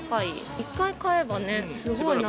１回買えばね。